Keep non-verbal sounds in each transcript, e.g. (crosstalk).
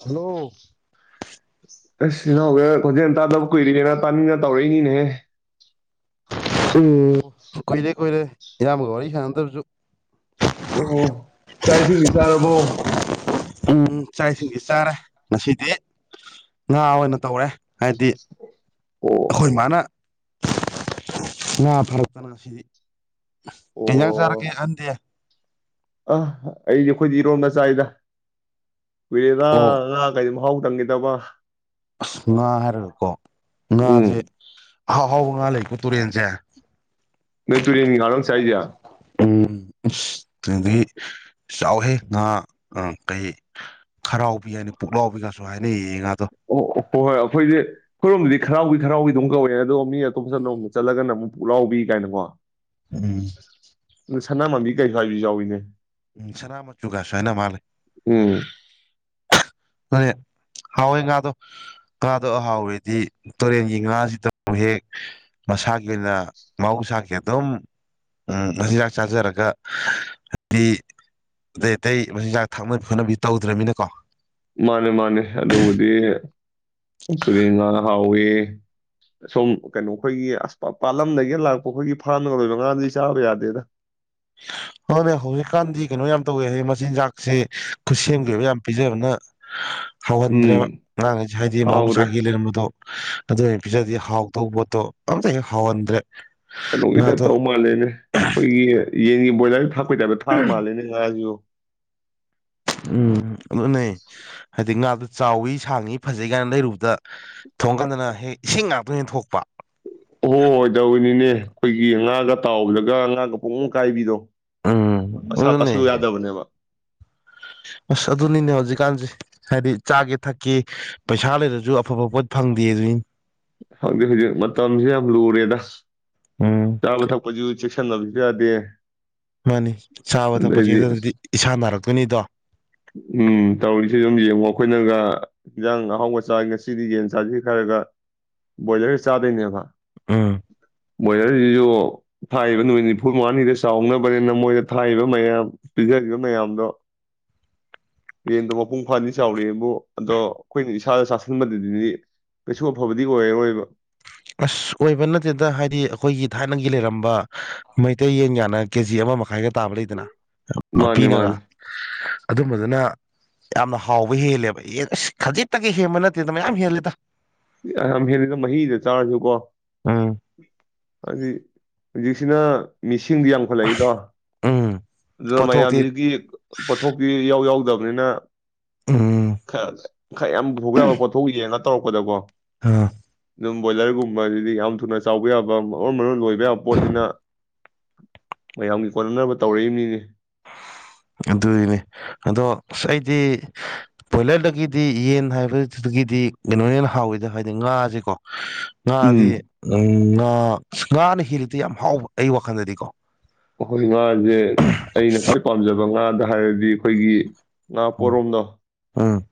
hello ꯑꯁ ꯏꯅꯥꯑꯣꯁꯦ ꯈꯣꯟꯖꯦꯜ ꯇꯥꯗꯕ ꯀꯨꯏꯔꯦꯅ ꯇꯥꯅꯤꯡꯗꯅ ꯇꯧꯔꯛꯏꯅꯤꯅꯦ ꯎꯝ ꯀꯨꯏꯔꯦ ꯀꯨꯏꯔꯦ ꯏꯌꯥꯝꯕꯒ ꯋꯥꯔꯤ ꯁꯥꯟꯅꯗꯕꯁꯨ ꯑꯣ ꯆꯥꯛ ꯏꯁꯤꯡꯗꯤ ꯆꯥꯔꯕꯣ ꯎꯝ ꯆꯥꯛ ꯏꯁꯤꯡꯁꯤ ꯆꯥꯔꯦ ꯉꯁꯤꯗꯤ ꯉꯥ ꯑꯣꯏꯅ ꯇꯧꯔꯦ ꯍꯥꯏꯗꯤ ꯑꯣ ꯑꯩꯈꯣꯏ ꯃꯥꯅ ꯉꯥ ꯐꯥꯔꯛꯇꯅ ꯉꯥꯁꯤꯗꯤ ꯀꯩ ꯏꯟꯖꯥꯡ ꯆꯥꯔꯒꯦ ꯑꯣ ꯑꯍꯟꯗꯤ ꯑ ꯑꯩꯗꯤ ꯑꯩꯈꯣꯏꯗꯤ ꯏꯔꯣꯝꯕ ꯆꯥꯥꯏꯗ ꯀꯨꯏꯔꯦꯗꯥ ꯑꯣ ꯉꯥꯒꯥꯖꯤ ꯃꯍꯥꯎ (unintelligible) ꯑꯁ ꯉꯥ ꯍꯥꯏꯔꯒꯀꯣ ꯉꯥꯁꯦ ꯎꯝ ꯑꯍꯥꯎ ꯑꯍꯥꯎꯕ ꯉꯥ ꯂꯩꯀꯣ ꯇꯨꯔꯦꯟꯁꯦ ꯅꯣꯏ ꯇꯨꯔꯦꯟꯒꯤ ꯉꯥꯔꯣ ꯆꯥꯏꯁꯦ ꯑꯣ ꯎꯝ (unintelligible) ꯆꯥꯎꯍꯦ ꯉꯥ ꯀꯩ ꯈꯔꯥꯎꯕꯤ ꯍꯥꯏꯅ ꯄꯨꯛꯂꯥꯎꯕꯤꯒꯥꯁꯨ ꯍꯥꯏꯅꯩꯍꯦ ꯉꯥ ꯑꯣ ꯑꯣ ꯍꯣꯏ ꯑꯩꯈꯣꯏꯗꯤ ꯑꯈꯣꯏꯔꯣꯝꯗꯤ ꯈꯔꯥꯎꯕꯤ ꯈꯔꯥꯎꯕꯤ ꯑꯗꯨꯝ ꯀꯧꯋꯦꯅꯦ ꯑꯗꯨꯒ ꯃꯤ ꯑꯇꯣꯝꯄꯠꯂꯣꯝꯗ ꯆꯠꯂꯒꯅ ꯑꯃꯨꯛ ꯄꯨꯛꯂꯥꯎꯕꯤ ꯀꯥꯏꯅꯀꯣ ꯎꯝ ꯁꯥꯅꯃꯟꯕꯤ ꯀꯩ ꯍꯥꯏꯕꯁꯨ ꯌꯥꯎꯏꯅꯦ ꯎꯝ ꯁꯅꯥꯃꯆꯨ ꯀꯥꯁꯨ ꯍꯥꯏꯅ ꯃꯥꯜꯂꯦ ꯎꯝ ꯍꯥꯎꯋꯦ ꯉꯥꯗꯣ ꯉꯥꯗꯣ ꯑꯍꯥꯎꯋꯦꯗꯤ ꯇꯨꯔꯦꯟꯒꯤ ꯉꯥꯁꯤꯗ ꯍꯦꯛ ꯃꯁꯥꯒꯤ ꯑꯣꯏꯅ ꯃꯍꯧꯁꯥꯒꯤ ꯑꯗꯨꯝ ꯃꯆꯤꯟꯖꯥꯛ ꯆꯥꯖꯔꯒ ꯍꯥꯏꯗꯤ ꯑꯇꯩ ꯑꯇꯩ ꯃꯆꯤꯟꯖꯥꯛ ꯊꯥꯛꯅꯕꯤ ꯈꯣꯠꯅꯕꯤ ꯇꯧꯗ꯭ꯔꯕꯅꯤꯅꯀꯣ ꯃꯥꯅꯦ ꯃꯥꯅꯦ ꯑꯗꯨꯕꯨꯗꯤ ꯇꯨꯔꯦꯜ ꯉꯥ ꯍꯥꯎꯋꯤ ꯑꯁꯣꯝ ꯀꯩꯅꯣ ꯑꯩꯈꯣꯏꯒꯤ ꯑꯁ ꯄꯥꯠꯂꯝꯗꯒꯤ ꯂꯥꯛꯄ ꯑꯩꯈꯣꯏꯒꯤ ꯐꯥꯔꯝꯗꯒ ꯂꯣꯏꯕ ꯉꯥꯗꯤ ꯆꯥꯕ ꯌꯥꯗꯦꯗ ꯍꯧꯖꯤꯛꯀꯥꯟꯗꯤ ꯀꯩꯅꯣ ꯌꯥꯝ ꯇꯧꯋꯦ ꯍꯥꯏ ꯃꯆꯤꯟꯖꯥꯛꯁꯦ ꯈꯨꯠꯁꯦꯝꯒꯤ ꯑꯣꯏꯕ ꯌꯥꯝ ꯄꯤꯖꯕꯅ ꯍꯧꯍꯟꯗ꯭ꯔꯦꯕ ꯎꯝ ꯉꯥꯒꯩꯁꯦ ꯍꯥꯏꯗꯤ ꯍꯥꯎꯗ꯭ꯔꯦ ꯃꯍꯧꯁꯥꯒꯤ ꯂꯩꯔꯝꯕꯗꯣ ꯑꯗꯨꯩꯅ ꯄꯤꯖꯗꯤ ꯍꯥꯎꯗꯧꯕ ꯄꯣꯠꯇꯣ ꯑꯝꯇ ꯍꯦꯛ ꯍꯥꯎꯍꯟꯗ꯭ꯔꯦ ꯀꯩꯅꯣꯒꯤ ꯇꯥꯏꯞ ꯉꯥꯗꯣ ꯇꯧ ꯃꯥꯜꯂꯦꯅꯦ ꯑꯩꯈꯣꯏꯒꯤ ꯌꯦꯟ ꯕꯣꯏꯂꯔ ꯊꯥ ꯑꯩꯈꯣꯏꯗꯗ ꯊꯥ ꯃꯥꯜꯂꯦꯅꯦ ꯉꯖꯨ ꯎꯝ ꯑꯗꯨ ꯅ ꯍꯥꯏꯗꯤ ꯉ ꯑꯗꯨ ꯆꯥꯎꯋꯤ ꯁꯥꯡꯉꯤ ꯐꯖꯩ ꯀꯥꯏꯅ ꯂꯩꯔꯨꯕꯗ ꯊꯣꯡꯀꯥꯟꯗꯅ ꯍꯦꯛ ꯏꯁꯤꯡ ꯉꯥꯛꯇ ꯍꯦꯛ ꯊꯣꯛꯄ ꯍꯣꯢ ꯍꯣꯏ ꯇꯧꯔꯤꯅꯤꯅꯦ ꯑꯩꯈꯣꯏꯒꯤ ꯉꯥꯒ ꯇꯥꯎꯕꯗꯒ ꯉꯥꯒ ꯄꯣꯡ ꯄꯣꯡ ꯀꯥꯏꯕꯤꯗꯣ ꯎꯝ ꯃꯁꯥ ꯑꯗꯨꯅꯦ ꯇꯁꯜꯂꯨ ꯌꯥꯗꯕꯅꯦꯕ ꯑꯁ ꯑꯗꯨꯅꯤꯅꯦ ꯍꯧꯖꯤꯛꯀꯥꯟꯁꯦ ꯍꯥꯏꯗꯤ ꯆꯥꯒꯦ ꯊꯛꯀꯦ ꯄꯩꯁꯥ ꯂꯩꯔꯁꯨ ꯑꯐꯕ ꯄꯣꯠ ꯐꯪꯗꯦ ꯑꯗꯨꯅꯤ ꯍꯧꯖꯤꯛ ꯍꯧꯖꯤꯛ ꯃꯇꯝꯁꯨ ꯌꯥꯝ ꯂꯨꯔꯦꯗ ꯎꯝ ꯆꯥꯕ ꯊꯛꯄꯁꯨ ꯆꯦꯛ ꯉꯥꯡꯅꯕꯁꯨ ꯌꯥꯗꯦ ꯃꯥꯅꯤ ꯆꯥꯕ ꯊꯛꯄ ꯑꯗꯩꯗꯤ ꯑꯁ ꯆꯦꯗꯗꯤ ꯏꯁꯥ ꯅꯥꯔꯛꯇꯣꯏꯅꯤꯗꯣ ꯎꯝ ꯇꯧꯔꯤꯁꯤ ꯁꯨꯝ ꯌꯦꯡ ꯋꯥ ꯑꯩꯈꯣꯏꯅꯒ ꯌꯦꯟꯖꯥꯡ ꯑꯍꯥꯎꯕ ꯆꯥ ꯉꯁꯤꯗꯤ ꯌꯦꯟ ꯆꯥꯁꯤ ꯈꯔꯒ ꯣꯖꯦ ꯐ ꯆꯥꯗꯅꯤꯕ ꯎꯝ ꯃꯕꯣꯏꯂꯔꯁꯤꯁꯨ ꯊꯥꯛꯕ ꯅꯨꯃꯤꯠ ꯅꯤꯐꯨ ꯃꯉꯥꯅꯤꯗ ꯆꯥꯎꯅꯕꯅꯤꯅ ꯃꯣꯏꯗ ꯊꯥꯛꯕ ꯃꯌꯥꯝ ꯄꯤꯖꯔꯤꯕ ꯃꯌꯥꯝꯗꯣ ꯌꯦꯟꯗꯣ ꯃꯄꯨꯡ ꯐꯥꯗꯤ ꯆꯥꯎꯔꯛꯑꯦꯕꯨ ꯑꯗꯣ ꯑꯩꯈꯣꯏꯅ ꯏꯁꯥꯗ ꯆꯥꯥꯁꯟꯕꯗꯗꯤ ꯀꯩꯁꯨ ꯑꯐꯕꯗꯤ ꯑꯣꯏꯔꯔꯣꯏꯕ ꯑꯁ ꯒꯨꯝꯕ ꯃꯩꯇꯩ ꯌꯦꯟ ꯌꯥꯒꯅ ꯀꯦꯖꯤ ꯑꯃ ꯃꯈꯥꯏꯒ ꯇꯥꯕ ꯂꯩꯗꯅ ꯃꯥꯅꯤ ꯃꯥꯅꯤ ꯄꯤꯅꯒ ꯑꯗꯨꯝꯕꯗꯨꯅ ꯌꯥꯝꯅ ꯍꯥꯎꯕ ꯍꯦꯜꯂꯦꯕ ꯑꯦ ꯑꯁ ꯈꯖꯤꯛꯇꯒꯤ ꯍꯦꯟꯕ ꯅꯠꯇꯦꯗ ꯃꯌꯥꯝ ꯍꯦꯜꯂꯦꯗ ꯌꯥꯝ ꯍꯦꯜꯂꯤꯗ ꯃꯍꯤꯗ ꯆꯔꯁꯨ ꯀꯣ ꯎꯝ ꯍꯥꯏꯗꯤ ꯍꯧꯖꯤꯛꯁꯤꯅ ꯃꯤ ꯏꯁꯤꯡꯗꯤ ꯌꯥꯝꯈꯠꯂꯛꯏꯗꯣ ꯎꯝ ꯑꯗꯨꯅ ꯄꯣꯠꯊꯣꯛꯇꯤ ꯃꯌꯥꯝꯁꯤꯒꯤ ꯄꯣꯊꯣꯛꯀꯤ ꯌꯥꯎ ꯌꯥꯎꯗꯕ ꯀꯅ ꯎꯝ ꯈꯔ ꯈꯔ ꯌꯥꯝ ꯄꯨꯕ ꯌꯥꯕ ꯄꯣꯠꯊꯣꯛ ꯌꯦꯡꯉ ꯇꯧꯔꯛꯄꯗꯕꯣ ꯑꯥ ꯑꯗꯨꯝ ꯕꯣꯏꯂꯔꯒꯨꯝꯕ ꯑꯗꯨꯗꯤ ꯌꯥꯝ ꯊꯨꯅ ꯆꯥꯎꯕ ꯌꯥꯕ ꯃꯔꯣꯟ ꯃꯔꯣꯟ ꯂꯣꯏꯕ ꯌꯥꯕ ꯄꯣꯠꯅꯤꯅ ꯃꯌꯥꯝꯒꯤ ꯀꯣꯟꯅꯅꯕ ꯇꯧꯔꯛꯏꯕ ꯃꯤꯅꯤ ꯑꯗꯨꯒꯤꯅꯦ ꯑꯗꯣ ꯑꯁ ꯑꯩꯗꯤ ꯕꯣꯏꯂꯔꯗꯒꯤꯗꯤ ꯌꯦꯟ ꯍꯥꯏꯕꯗꯒꯤꯗꯤ ꯀꯩꯅꯣꯅ ꯍꯥꯎꯋꯤꯗ ꯍꯥꯏꯗꯤ ꯉꯥꯁꯤꯀꯣ ꯑꯗꯤ ꯎꯝ ꯎ ꯉꯥꯅ ꯍꯦꯜꯂꯤꯇ ꯌꯥꯝ ꯍꯥꯎꯕ ꯑꯩ ꯋꯥꯈꯜꯗꯗꯤꯀꯣ ꯑꯩꯈꯣꯏ ꯉꯥꯁꯦ ꯑꯩꯅ ꯈ꯭ꯋꯥꯏ ꯄꯥꯝꯖꯕ ꯉꯥꯗ ꯍꯥꯏꯔꯗꯤ ꯑꯩꯈꯣꯏꯒꯤ ꯅꯅꯥ ꯎꯝ ꯄꯔꯣꯝꯗꯣ ꯎꯝ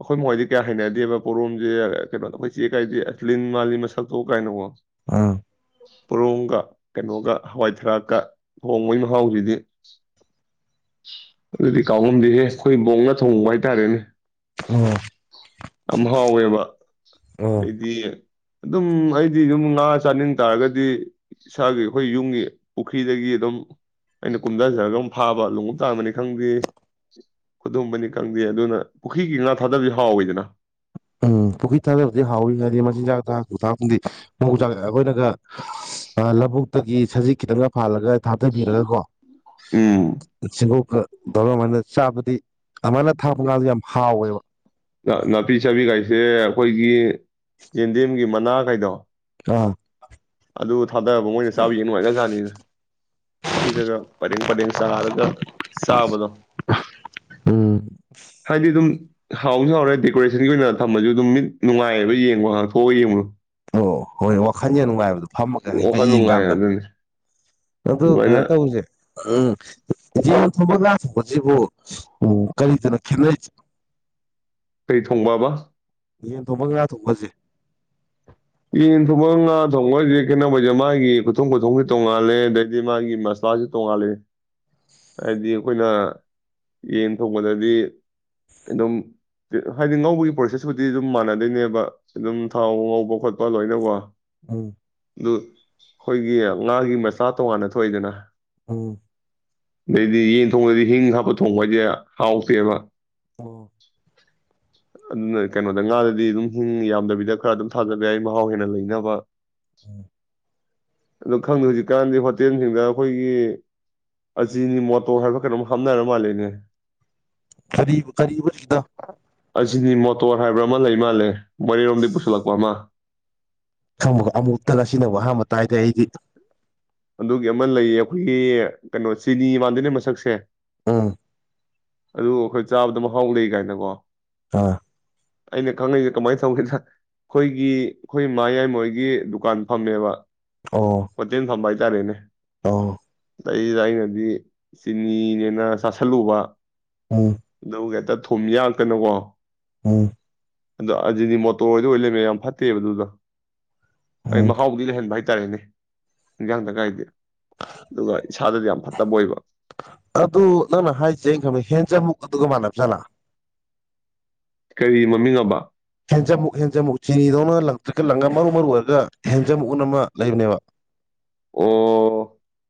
ꯑꯩꯈꯣꯏ ꯃꯥꯍꯣꯏꯗꯤ ꯀꯌꯥ ꯍꯩꯅꯗꯦꯕ ꯄꯣꯔꯣꯝꯁꯦ ꯀꯩꯅꯣꯗ ꯑꯩꯈꯣꯏ ꯆꯦ ꯒꯥꯏꯗꯤ ꯂꯤꯟ ꯃꯥꯜꯂꯤ ꯃꯁꯛꯇꯣ ꯀꯥꯏꯅꯀꯣ ꯄꯣꯔꯣꯃꯒ ꯀꯩꯅꯣꯒ ꯍꯋꯥꯏ ꯊꯔꯥꯛꯀ ꯊꯣꯡꯕꯩ ꯃꯍꯥꯎꯁꯤꯗꯤ ꯑꯗꯨꯗꯤ ꯀꯥꯎꯐꯝꯝꯗꯤꯦꯍꯦ ꯑꯩꯈꯣꯏ ꯕꯣꯡꯅ ꯊꯣꯡꯕ ꯍꯥꯏꯇꯥꯔꯦꯅꯦ ꯎꯝ ꯌꯥꯝ ꯍꯥꯎꯋꯦꯕ ꯎꯝ ꯑꯗꯩꯗꯤ ꯑꯗꯨꯝ ꯑꯩꯗꯤ ꯑꯗꯨꯝ ꯉꯥ ꯆꯥꯅꯤꯡ ꯇꯥꯔꯒꯗꯤ ꯏꯁꯥꯒꯤ ꯑꯩꯈꯣꯏ ꯌꯨꯝꯒꯤ ꯄꯨꯈ꯭ꯔꯤꯗꯒꯤ ꯑꯗꯨꯝ ꯑꯩꯅ ꯀꯨꯝꯊꯖꯔꯒꯝ ꯐꯥꯕ ꯂꯨꯍꯨꯝ ꯇꯥꯡꯕꯅꯤ ꯈꯪꯗꯦ ꯈꯨꯗꯣꯝꯕꯅꯤ ꯈꯪꯗꯦ ꯑꯗꯨꯅ ꯄꯨꯈ꯭ꯔꯤꯒꯤ ꯉꯥ ꯊꯥꯗꯕꯕꯁꯤ ꯍꯥꯎꯋꯤꯗꯅ ꯎꯝ ꯄꯨꯈ꯭ꯔꯤ ꯃ ꯆꯥꯛ ꯑꯩꯈꯣꯏꯅꯒ ꯑ ꯂꯧꯕꯨꯛ ꯇꯒꯤ ꯁꯖꯤꯛ ꯈꯤꯇꯪꯒ ꯐꯥꯜꯂꯒ ꯊꯥꯗꯕꯤꯔꯒꯀꯣ ꯎꯝ ꯁꯤꯡꯒꯣꯛꯀ ꯗꯔ ꯃꯅ ꯆꯥꯕꯗꯤ ꯑꯗꯨꯃꯥꯏꯅ ꯊꯥꯛꯄ ꯀꯥꯟꯗ ꯌꯥꯝ ꯍꯥꯎꯋꯦꯕ ꯅꯥꯄꯤ ꯆꯥꯕꯤ ꯀꯥꯏꯁꯦ ꯑꯩꯈꯣꯏꯒꯤ ꯌꯦꯟꯗꯦꯝꯒꯤ ꯃꯅꯥ ꯀꯩꯗꯣ ꯑꯥ ꯑꯗꯨꯗ ꯊꯥꯗꯔꯕ ꯃꯣꯏꯅ ꯆꯥꯕ ꯌꯦꯡ ꯅꯨꯡꯉꯥꯏ ꯀꯖꯥꯠꯅꯤꯅ ꯄꯨꯈ꯭ꯔꯤꯗꯒ ꯄꯔꯦꯡ ꯄꯔꯦꯡ ꯆꯥꯔꯒ ꯆꯥꯕꯗꯣ ꯎꯝ ꯍꯥꯏꯗꯤ ꯑꯗꯨꯝ ꯍꯥꯎꯁꯨ ꯍꯥꯎꯔꯦ ꯗꯦꯀꯣꯔꯦꯁꯟꯒꯤ ꯑꯣꯏꯅ ꯊꯝꯃꯁꯨ ꯑꯗꯨꯝ ꯃꯤꯠ ꯅꯨꯡꯉꯥꯏꯌꯦꯕ ꯌꯦꯡꯕꯣ ꯉꯥꯡꯊꯣꯛꯑꯒ ꯌꯦꯡꯕꯣ ꯑꯣ ꯍꯣꯏꯣꯏ ꯋꯥꯈꯜ ꯌꯥꯝ ꯅꯨꯡꯉꯥꯏꯕꯗꯣ ꯐꯝꯃꯒ ꯍꯥꯏꯐꯦ ꯋꯥꯈꯜ ꯅꯨꯡꯉꯥꯏ ꯌꯦꯡꯀꯥꯟꯗ ꯑꯗꯨꯅꯤ ꯑꯗꯨ ꯀꯩꯅꯣ ꯑꯗꯨꯃꯥꯏꯅ ꯇꯧꯁꯦ ꯎꯝ ꯌꯦ ꯊꯒ ꯍꯧꯖꯤꯕꯨꯣ ꯎ ꯀꯔꯤꯗꯅꯈꯤꯅꯩ ꯐ꯭ꯔꯤ ꯊꯣꯡꯕꯕ ꯌꯦꯟ ꯊꯣꯡꯄ ꯉ ꯊꯣꯛꯍꯁꯦ ꯌꯦꯟ ꯊꯣꯡꯕ ꯉꯥ ꯊꯣꯡꯕ ꯍꯥꯏꯁꯦ ꯀꯩꯅꯣꯩꯁꯦ ꯃꯥꯒꯤ ꯈꯨꯊꯣꯡ ꯈꯨꯊꯣꯡꯁꯨ ꯇꯣꯡꯉꯥꯂꯦ ꯑꯗꯩꯗꯤ ꯃꯥꯒꯤ ꯃꯁꯂꯥꯁꯨ ꯇꯣꯡꯉꯥꯜꯂꯦ ꯍꯥꯏꯗꯤ ꯑꯩꯈꯣꯏꯅ ꯌꯦꯟ ꯊꯣꯡꯕꯗꯗꯤ ꯑꯗꯨꯝ ꯍꯥꯏꯗꯤ ꯉꯧꯕꯒꯤ ꯄ꯭ꯔꯣꯁꯦꯁꯄꯨꯗꯤ ꯑꯗꯨꯝ ꯃꯥꯟꯅꯗꯣꯏꯅꯦꯕ ꯑꯗꯨꯝ ꯊꯥꯎ ꯉꯧꯕ ꯈꯣꯠꯄ ꯂꯄꯥ ꯂꯣꯏꯅ ꯋꯥ ꯎꯝ ꯑꯗꯨ ꯑꯩꯈꯣꯏꯒꯤ ꯉꯥꯒꯤ ꯃꯆꯥ ꯇꯣꯉꯥꯟꯅ ꯊꯣꯛꯏꯗꯅ ꯎꯝ ꯑꯗꯩꯗꯤ ꯌꯦꯟ ꯊꯣꯡꯉꯗꯤ ꯍꯤꯡ ꯍꯥꯞꯄ ꯊꯣꯡꯕ ꯍꯥꯏꯁꯦ ꯍꯥꯎꯇꯦꯕ ꯑꯣ (inaudible) ꯀꯩꯅꯣꯗ ꯉꯥꯗꯗꯤ ꯑꯗꯨꯝ ꯍꯤꯡ ꯌꯥꯝꯗꯕꯤꯗ ꯈꯔ ꯑꯗꯨꯝ ꯊꯥꯖꯠ ꯌꯥꯏ ꯃꯍꯥꯎ ꯍꯦꯟꯅ ꯂꯩꯅꯕ ꯑꯣ ꯈꯪꯗꯦ ꯍꯧꯖꯤꯛꯀꯥꯟꯗꯤ ꯍꯣꯇꯦꯜꯁꯤꯡꯗ ꯑꯩꯈꯣꯏꯒꯤ ꯑꯆꯤꯅꯤ ꯃꯣꯇꯣꯔ ꯍꯥꯏꯕ ꯈꯩꯅ ꯑꯗꯨꯝ ꯍꯥꯞꯅꯔ ꯃꯥꯜꯂꯦꯅꯦ ꯀꯔꯤ ꯀꯔꯤꯕ ꯆꯗ ꯑꯣꯇꯣꯔ ꯍꯥꯏꯕ꯭ꯔꯥ ꯑꯃ ꯂꯩ ꯃꯥꯜꯂꯦ ꯃꯔꯤꯔꯣꯝꯗꯤ ꯄꯨꯁꯤꯜꯂꯛꯄ ꯑꯃ ꯈꯪꯕ ꯑꯃꯨꯛꯇ ꯉ ꯑꯁꯤꯅꯕꯨ ꯑꯍꯥꯟꯕ ꯇꯥꯏꯗ ꯑꯩꯗꯤ ꯑꯗꯨꯒꯤ ꯑꯃ ꯂꯩꯌꯦ ꯑꯩꯈꯣꯏꯒꯤ ꯀꯩꯅꯣ ꯆꯤꯅꯤ ꯃꯥꯟꯗꯣꯏꯅꯦ ꯃꯁꯛꯁꯦ ꯑꯥ ꯑꯗꯨ ꯑꯩꯈꯣꯏ ꯆꯥꯕꯗ ꯃꯍꯥꯎ ꯂꯩ ꯀꯥꯏꯅꯀꯣ ꯑꯥ ꯑꯩꯅ ꯈꯪꯉꯛꯁꯦ ꯀꯃꯥꯏꯅ ꯇꯧꯒꯦꯗ ꯑꯩꯈꯣꯏꯒꯤ ꯑꯩꯈꯣꯏ ꯃꯌꯥꯏꯃꯣꯏꯒꯤ ꯗꯨꯀꯥꯟ ꯐꯝꯃꯦꯕ ꯄꯆꯅ ꯊꯕꯥ ꯇꯔꯤꯅꯦ ꯑꫭ ꯑꯗꯩꯗ ꯑꯩꯅꯗꯤ ꯆꯤꯅꯤꯅꯦꯅ ꯆꯥꯥꯁꯜꯂꯨꯕ ꯎꯝ ꯑꯗꯨꯒ ꯍꯦꯠꯇ (unintelligible) ꯐꯨꯝ ꯌꯥꯛꯇꯅꯨꯀꯣ ꯎꯝ ꯑꯗ ꯑꯖꯤꯅꯤ ꯃꯣꯇꯣꯔꯑꫭꯏꯗꫭ ꯑꯣꯏ ꯂꯩꯔꯝꯃꯦ ꯌꯥꯝ ꯐꯠꯇꯦꯕ ꯑꯗꯨꯗ (unintelligible) ꯎꯝ ꯃꯍꯥꯎꯗꯤ ꯂꯩꯍꯟꯕ ꯍꯥꯏꯇꯥꯔꯦꯅꯦ ꯏꯟꯖꯥꯡꯗ ꯒꯥꯏꯗꯤ ꯑꯗꯨꯒ ꯏꯁꯥꯗꯗꯤ ꯌꯥꯝ ꯐꯠꯇꯕ ꯑꯣꯏꯕ ꯑꯗꯨ ꯅꯪꯅ ꯍꯥꯏꯖꯦ ꯑꯩꯈꯟꯕꯗ ꯍꯦꯟꯖꯃꯨꯛ ꯑꯗꯨꯒ ꯃꯥꯟꯅꯅꯕꯖꯠꯂ ꯀꯔꯤ ꯃꯃꯤꯡꯑꯕ ꯍꯦꯟꯖꯟꯃꯨꯛ ꯍꯦꯟꯖꯟꯃꯨꯛ ꯆꯤꯅꯤꯗꯧꯅ ꯂꯪꯊ꯭ꯔꯤꯛꯀ ꯂꯪꯉ ꯃꯔꯨ ꯃꯔꯨꯒ ꯑꯣꯏꯔꯒ ꯍꯦꯟꯖꯟꯃꯨꯛ ꯑꯅꯤ ꯑꯃ ꯂꯩꯕꯅꯦꯕ ꯑꯣ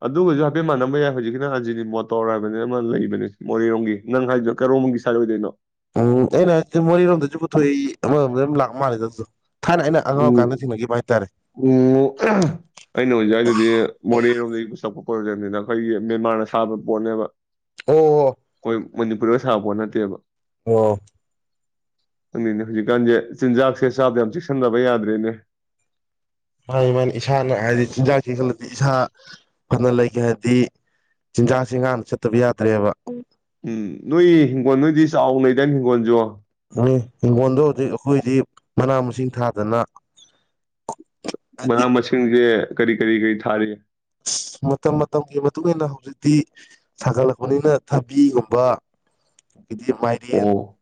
ꯑꯗꯨꯒꯁꯨ ꯍꯥꯏꯐꯦꯠ ꯃꯥꯟꯅꯔꯝꯕ ꯌꯥꯏ ꯍꯧꯖꯤꯛꯀꯤꯅ ꯑꯖꯤꯅꯤ ꯃꯣꯇꯣꯔ ꯍꯥꯏꯕꯅꯤ ꯑꯃ ꯂꯩꯕꯅꯤ ꯃꯣꯔꯦꯔꯣꯝꯒꯤ ꯅꯪ ꯍꯥꯏꯗꯨꯣ ꯀꯩꯔꯣꯝꯒꯤ ꯁꯥꯏꯠ ꯑꯣꯏꯗꯣꯏꯅꯣ ꯎꯝ ꯑꯩꯅ ꯍꯥꯏꯖꯦ ꯃꯣꯔꯦꯔꯣꯝꯗꯖꯨ ꯄꯨꯊꯣꯛꯏ ꯑꯃꯔꯣꯝꯗ ꯑꯗꯨꯝ ꯂꯥꯛ ꯃꯥꯜꯂꯤꯗ ꯑꯗꯨꯗꯣ ꯊꯥꯏꯅ ꯑꯩꯅ ꯑꯉꯥꯡ ꯑꫭꯏꯔꯤ ꯎꯝ ꯀꯥꯟꯗ ꯊꯦꯡꯅꯒꯤꯕ ꯍꯥꯏꯇꯥꯔꯦ ꯎꯝ (unintelligible) ꯑꯩꯅ ꯍꯧꯖꯛ ꯍꯥꯏꯗꯨꯗꯤ ꯃꯣꯔꯦꯔꯣꯝꯗꯒꯤ ꯄꯨꯁꯜ ꯄ꯭ꯔꯣꯕ꯭ꯂꯦꯝꯖꯤꯅ ꯑꯩꯈꯣꯏꯒꯤ ꯃꯦꯟꯃꯥꯔꯅ ꯁꯥꯕ ꯄꯣꯠꯅꯦꯕ ꯑꯣ-ꯑꫭ-ꯑꫭ ꯑꯩꯈꯣꯏ ꯃꯅꯤꯄꯨꯔꯗ ꯁꯥꯕꯄꯣꯠ ꯅꯠꯇꯦꯕ ꯑꯣ ꯪꯈꯪꯗꯦꯅꯦ ꯍꯧꯖꯤꯛꯀꯥꯟꯁꯦ ꯆꯤꯟꯖꯥꯛꯁꯦ ꯆꯥꯕꯗ ꯌꯥꯝ ꯆꯦꯛꯁꯤꯟꯗꯕ ꯌꯥꯗ꯭ꯔꯦꯅꯦ ꯃꯥ ꯃꯥꯅꯤ ꯏꯁꯥꯅ ꯍꯥꯏꯗꯤ ꯆꯤꯟꯖꯥꯛꯁꯤ ꯈꯜꯂ ꯏꯁꯥ ꯐꯅ ꯂꯩꯒꯦ ꯍꯥꯏꯗꯤ ꯆꯤꯟꯖꯥꯛꯁꯤ ꯉꯥꯛꯅ ꯆꯠꯇꯕ ꯌꯥꯗ꯭ꯔꯦꯕ ꯎꯝ ꯅꯣꯏ ꯍꯤꯡꯒꯣꯜ ꯅꯣꯏꯗꯤ ꯆꯥꯎꯅ ꯂꯩꯗꯥꯏꯅꯦ ꯍꯤꯡꯒꯣꯜꯖꯨ ꯅꯤ ꯍꯤꯡꯒꯣꯜꯗꯨꯕꯨꯗꯤ ꯑꯩꯈꯣꯏꯗꯤ ꯃꯅꯥ ꯃꯁꯤꯡ ꯊꯥꯗꯅ (inaudible) ꯍꯥꯏꯗꯤ ꯃꯅꯥ ꯃꯁꯤꯡꯖꯦ ꯀꯔꯤ ꯀꯔꯤ ꯀꯔꯤ ꯊꯥꯔꯤ ꯑꯁ ꯃꯇꯝ ꯃꯇꯝꯒꯤ ꯃꯇꯨꯡꯏꯟꯅ ꯍꯧꯖꯤꯛꯇꯤ ꯁꯥꯒꯠꯂꯛꯄꯅꯤꯅ ꯊꯕꯤꯒꯨꯝꯕ ꯑꯗꯒꯤꯗꯤ ꯃꯥꯏꯔꯦꯟ, ꯑꯣ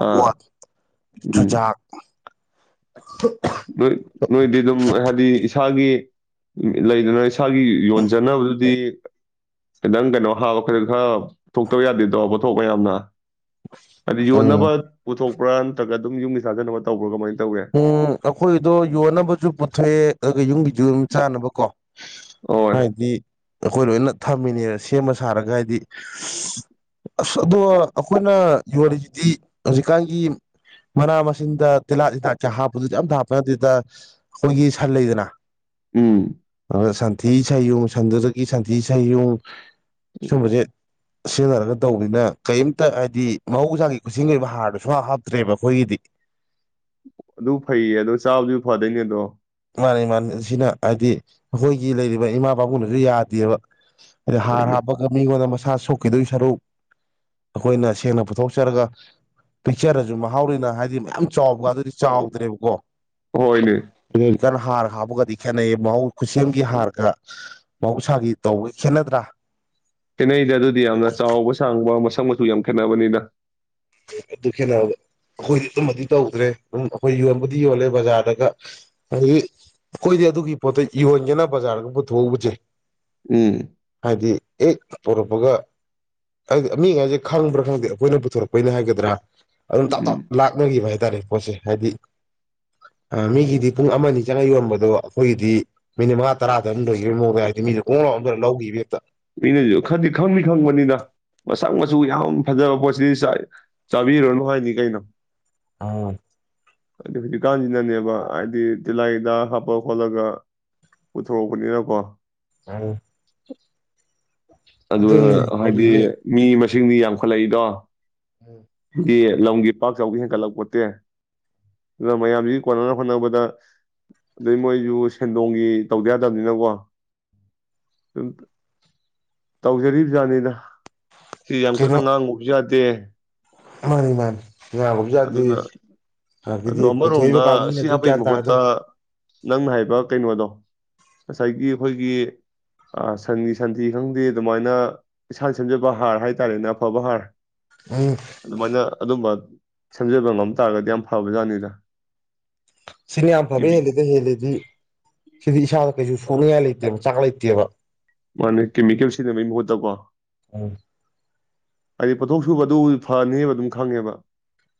ꯑꯥ ꯎꯝ ꯆꯨꯖꯥꯛ ꯅꯣꯏ ꯅꯣꯏꯗꯤ ꯑꯗꯨꯝ ꯍꯥꯏꯕꯗꯤ ꯏꯁꯥꯒꯤ ꯎꯝ ꯂꯩꯇꯅ ꯏꯁ ꯏꯁꯥꯒꯤ ꯌꯣꯟꯖꯅꯕꯗꯨꯗꯤ ꯈꯤꯇꯪ ꯀꯩꯅꯣ (unintelligible) (unintelligible) ꯄꯨꯊꯣꯛꯇꯕ ꯌꯥꯗꯦꯗꯣ ꯄꯣꯊꯣꯛꯃꯌꯥꯝꯅ ꯑꯗꯤ ꯎꯝ ꯌꯣꯟꯅꯕ ꯄꯨꯊꯣꯛ ꯄꯨꯔꯥ ꯅꯠꯇ꯭ꯔꯒ ꯑꯗꯨꯝ ꯌꯨꯝꯗꯩ ꯁꯥꯖꯟꯅꯕ ꯇꯧꯕ꯭ꯔꯥ ꯀꯃꯥꯏ ꯎꯝ ꯑꯩꯈꯣꯏꯗꯣ ꯌꯣꯟꯅꯕꯖꯨ ꯄꯨꯊꯣꯛꯑꯦ ꯑꯗꯨꯒ ꯌꯨꯝꯒꯤꯖꯨ ꯑꯗꯨꯝ ꯆꯥꯅꯕ ꯀꯣ ꯍꯣꯏ ꯍꯥꯏꯗꯤ ꯑꯩꯈꯣꯏ ꯂꯣꯏꯅ ꯊꯝꯃꯤꯅꯦꯕ ꯁꯦꯝꯃ ꯁꯥꯔꯒ ꯍꯥꯏꯗꯤ ꯑꯁ ꯑꯗꯣ ꯑꯩꯈꯣꯏꯅ ꯌꯣꯜꯂꯤꯁꯤꯗꯤ ꯍꯧꯖꯤꯛꯀꯥꯟꯒꯤ ꯃꯅꯥ ꯃꯁꯤꯡꯗ ꯇꯤꯍꯥꯠ ꯇꯤꯥꯛ ꯍꯥꯞꯄꯗꯨꯗꯤ ꯌꯥꯝ ꯍꯥꯞꯄ ꯅꯠꯇꯦꯗ ꯑꯩꯈꯣꯏꯒꯤ ꯁꯟ ꯂꯩꯗꯅ ꯎꯝ ꯁꯟꯊꯤ ꯁꯩꯌꯨꯡ ꯁꯟꯗꯨꯗꯒꯤ ꯁꯟꯊꯤ ꯁꯩꯌꯨꯡ ꯎꯝ ꯁꯨꯝꯕꯁꯦ ꯁꯤꯖꯤꯟꯅꯔꯒ ꯇꯧꯕꯅꯤꯅ ꯀꯩꯝꯇ ꯍꯥꯏꯗꯤ ꯃꯍꯧꯁꯥꯒꯤ ꯈꯨꯠꯁꯒꯤ ꯑꯣꯏꯕ ꯍꯥꯔꯗꯨꯣꯁꯨ ꯍꯥꯞ ꯍꯥꯞꯇ꯭ꯔꯦꯕ ꯑꯩꯈꯣꯏꯒꯤꯗꯤ ꯑꯗꯨ ꯐꯩꯌꯦ ꯑꯗꯣ ꯆꯥꯕꯁꯨ ꯐꯗꯣꯏꯅꯦ ꯑꯗꯣ ꯃꯥꯅꯤ ꯃꯥꯅꯤ ꯁꯤꯅ ꯍꯥꯏꯗꯤ ꯑꯩꯈꯣꯏꯒꯤ ꯂꯩꯔꯤꯕ ꯏꯃꯥ ꯄꯕꯥꯕꯨꯡꯅꯁꯨ ꯌꯥꯗꯦꯕ ꯑ ꯍꯔ ꯍꯣꯏꯅꯦ ꯍꯥꯞꯄ ꯀ ꯃꯤ ꯑꯣꯏꯗ ꯃꯁꯥ ꯁꯣꯛꯈꯤꯗꯣꯏ ꯁꯔꯨꯛ ꯑꯩꯈꯣꯏꯅ ꯁꯦꯡꯅ ꯄꯨꯊꯣꯛꯆꯔꯒ ꯄꯤꯛꯆꯔꯁꯨ ꯃꯍꯥꯎꯔꯤꯅ ꯍꯥꯏꯗꯤ ꯃꯌꯥꯝ ꯆꯥꯎꯕꯒ ꯑꯗꯨ ꯗꯤ ꯆꯥꯎꯗ꯭ꯔꯦꯕꯀꯣ ꯍꯣꯏꯅꯦ ꯛꯀꯟ ꯍꯥꯔ ꯍꯥꯞꯕꯒꯗꯤ ꯈꯦꯠꯅꯩ ꯃꯍꯧ ꯈꯨꯠꯁꯦꯝꯒꯤ ꯍꯥꯔꯒ ꯃꯍꯧꯁꯥꯒꯤ ꯇꯧꯕꯒ ꯈꯦꯠꯅꯗ꯭ꯔꯥ ꯈꯦꯠꯅꯩꯗ ꯑꯗꯨꯗꯤ ꯌꯥꯝꯅ ꯆꯥꯎꯕ ꯁꯥꯡꯕ ꯃꯁꯛ ꯃꯆꯨ ꯌꯥꯝ ꯈꯦꯠꯅꯕꯅꯤꯅ ꯑꯗꯨ ꯈꯦꯠꯅꯕ ꯑꯩꯈꯣꯏꯗꯤ ꯑꯗꯨꯝꯕꯗꯤ ꯇꯧꯗ꯭ꯔꯦ ꯑꯗꯨꯝ ꯑꯩꯈꯣꯏ ꯌꯣꯟꯕꯨꯗꯤ ꯌꯣꯜꯂꯦ ꯕꯖꯥꯔꯗꯒ ꯑꯗꯨꯗꯒꯤ ꯑꯩꯈꯣꯏꯗꯤ ꯑꯗꯨꯒꯤ ꯄꯣꯠꯇ ꯌꯣꯟꯒꯦꯅ ꯕꯖꯥꯔꯒꯨꯝ ꯄꯨꯊꯣꯛꯎꯕꯁꯦ ꯎꯝ ꯍꯥꯏꯗꯤ ꯑꯦ ꯄꯣꯔꯛꯄꯒ ꯍꯥꯏꯗꯤ ꯃꯤꯉꯥꯏꯁꯦ ꯈꯪꯕ꯭ꯔꯥ ꯈꯪꯗꯦ ꯑꯩꯈꯣꯏꯅ ꯄꯨꯊꯣꯔꯛꯄ ꯑꯩꯈꯣꯏꯅ ꯍꯥꯏꯒꯗ꯭ꯔꯥ ꯑꯗꯨꯝ ꯇꯞ ꯎꯝ ꯇꯞ ꯂꯥꯛꯅꯈꯤꯕ ꯍꯥꯏꯇꯥꯔꯦ ꯄꯣꯠꯁꯦ ꯍꯥꯏꯗꯤ ꯃꯤꯒꯤꯗꯤ ꯄꯨꯡ ꯑꯃ ꯑꯅꯤ ꯆꯪꯉ ꯌꯣꯟꯕꯗꯣ ꯑꯩꯈꯣꯏꯒꯤꯗꯤ ꯃꯤꯅꯤꯠ ꯃꯉꯥ ꯇꯔꯥꯗꯔ ꯑꯗꯨꯝ ꯂꯣꯏꯈꯤꯕꯒꯤ ꯃꯑꯣꯡꯗ ꯍꯥꯏꯗꯤ ꯃꯤꯁ ꯀꯣꯡ ꯂꯥꯎꯝꯗ ꯂꯧꯈꯤꯕ ꯍꯦꯛꯇ ꯃꯤꯅꯁꯨ ꯈꯗꯤ ꯈꯪꯅꯤ ꯈꯪꯕꯅꯤꯗ ꯃꯁꯛ ꯃꯆꯁꯨ ꯌꯥꯝ ꯐꯖꯕ ꯄꯣꯠꯁꯤꯗꯤ ꯆꯥꯕꯤꯔꯅꯨ ꯍꯥꯏꯅꯤ ꯀꯩꯅꯣ ꯑꯥ ꯑꯗꯨꯗꯤ ꯍꯧꯖꯤꯛꯀꯥꯟꯁꯤꯅꯅꯦꯕ ꯍꯥꯏꯕꯗꯤ ꯤꯂꯥꯏꯗ ꯍꯥꯞꯄ ꯈꯣꯠꯂꯒ ꯄꯨꯊꯣꯔꯛꯄꯅꯤꯅꯀꯣ ꯑ ꯑꯗꯨꯒ ꯍꯥꯏꯗꯤ ꯍꯧꯖꯤꯛꯅꯤ ꯃꯤ ꯇꯤꯟꯗꯤ ꯌꯥꯝꯈꯠꯂꯛꯏꯗꯣ ꯌꯦ ꯂꯝꯒꯤ ꯄꯥꯛ ꯆꯥꯎꯒꯤ ꯍꯦꯟꯒꯠꯂꯛꯄꯣꯠꯇꯦ ꯑꯗꯨꯅ ꯃꯌꯥꯝꯁꯤꯒꯤ ꯀꯣꯟꯅꯅꯕ ꯍꯣꯠꯅꯕꯗ ꯑꯗꯨꯗꯩ ꯃꯣꯏꯁꯨ ꯁꯦꯟꯗꯣꯡꯒꯤ ꯇꯧꯗ ꯌꯥꯗꯕꯅꯤꯅꯀꯣ ꯑꯗꯨꯝ ꯇꯧꯖꯔꯤꯕꯖꯥꯠꯅꯤꯅ ꯁꯤ ꯀꯩꯅꯣ ꯌꯥꯝꯀꯨꯔꯅ ꯅꯅꯥ ꯎꯛꯖ ꯇꯦ ꯃꯥꯅꯤ ꯃꯥꯅꯤ ꯏꯕ ꯑꯗꯣ ꯌꯥꯗꯦꯒꯤꯗꯤ ꯄꯨꯊꯣꯛꯏꯕ ꯑꯃꯔꯣꯝꯗ ꯀꯥꯎ ꯃꯤꯅ ꯁꯤ ꯑꯗꯨ ꯀ꯭ꯌꯥ ꯍꯥꯞꯄꯒꯤ ꯃꯍꯨꯠꯇ ꯇꯥꯗꯅꯣ ꯅꯪꯅ ꯍꯥꯏꯕ ꯀꯩꯅꯣꯗꯣ ꯉꯁꯥꯏꯒꯤ ꯑꯩꯈꯣꯏꯒꯤ ꯁꯟꯒꯤ ꯁꯟꯊꯤ ꯈꯪꯗꯦ ꯑꯗꯨꯃꯥꯏꯅ ꯏꯁꯥ ꯁꯦꯝꯖꯕ ꯍꯥꯔ ꯍꯥꯏꯇꯥꯔꯦꯅꯦ ꯑꯐꯕ ꯍꯥꯔ ꯎꯝ ꯑꯗꯨ ꯃꯥꯏꯅ ꯑꯗꯨꯝꯕ ꯁꯦꯝꯖꯕ ꯉꯝ ꯇꯥꯔꯒꯗꯤ ꯌꯥꯝ ꯐꯕꯖꯥꯠꯅꯤꯗ ꯁꯤꯅꯤ ꯌꯥꯝ ꯐꯕ ꯀꯦꯃꯤ ꯍꯦꯂꯗ ꯍꯦꯜꯂꯤꯗꯤ ꯁꯤꯗꯤ ꯀꯩꯁꯨ ꯁꯨꯅꯤꯌꯥ ꯂꯩ ꯏꯇꯦ ꯆꯥꯡꯂ ꯏꯇꯦꯕ ꯃꯥꯅ ꯀꯦꯃꯤꯀꯦꯜ ꯁꯤꯖꯤꯟꯅꯕꯒꯤ ꯃꯍꯨꯠꯇꯀꯣ ꯎꯝ ꯍꯥꯏꯗꯤ ꯄꯣꯠꯊꯣꯛ ꯁꯨꯕꯗꯨ ꯐꯅꯦꯕ ꯑꯗꯨꯝ ꯈꯪꯉꯦꯕ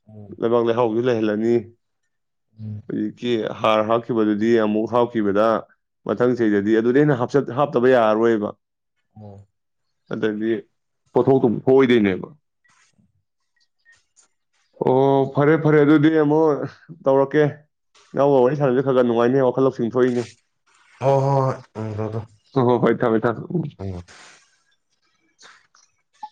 ꯎꯝ ꯂꯩꯕꯥꯡ ꯂꯩ ꯍꯥꯎꯒꯦ ꯂꯩꯍꯜꯂꯥꯅꯤ ꯎꯝ ꯔꯤꯀꯤ ꯍꯥꯔ ꯍꯥꯞꯈꯤꯕꯗꯨꯗꯤ ꯑꯃꯨꯛ ꯍꯥꯥꯞꯈꯤꯕꯗ ꯃꯊꯪ ꯆꯍꯤꯗꯗꯤ ꯑꯗꯨꯗꯩꯅ ꯍꯥꯞꯆꯠ ꯍꯥꯞꯇꯕ ꯌꯥꯔꯔꯣꯏꯕ ꯑꯣ ꯑꯗꯩꯗꯤ ꯄꯣꯊꯣꯛꯇꯨꯝ ꯑꯣꯏꯗꯩꯅꯦꯕ ꯑꯣ ꯐꯔꯦ ꯐꯔꯦ ꯑꯗꯨꯗꯤ ꯑꯃꯨꯛ ꯇꯧꯔꯛꯀꯦ ꯏꯅꯥꯎꯕ ꯋꯥꯔꯤ ꯁꯥꯟꯅꯁꯦ ꯈꯔ ꯈꯔ ꯅꯨꯡꯉꯥꯏꯅꯤ ꯋꯥꯈꯜ ꯂꯧꯁꯤꯡ ꯊꯣꯛꯏꯅꯦ ꯑꯣ ꯍꯣ ꯍ ꯗꯨ ꯊꯃꯦ ꯊꯃꯦ (inaudible) (inaudible)